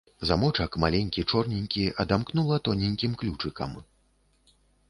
Замочак маленькі чорненькі адамкнула тоненькім ключыкам.